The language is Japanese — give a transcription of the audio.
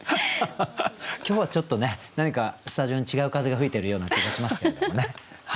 今日はちょっとね何かスタジオに違う風が吹いているような気がしますけれどもね。